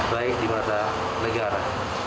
baik di mata negara